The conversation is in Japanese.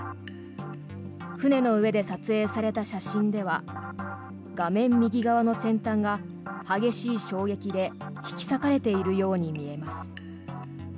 船の上で撮影された写真では画面右側の先端が激しい衝撃で引き裂かれているように見えます。